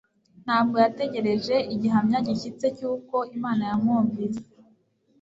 Ntabwo yategereje igihamya gishyitse cyuko Imana yamwumvise